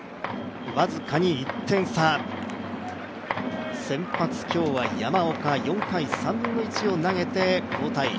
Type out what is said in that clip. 僅かに１点差、先発、今日は山岡、４回、３分の１を投げて交代